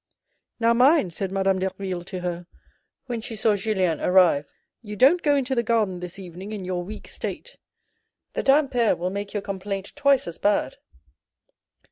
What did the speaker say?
" Now mind," said Madame Derville to her when she saw Julien arrive, " you don't go into the garden this evening in your weak state ; the damp air will make your complaint twice as bad."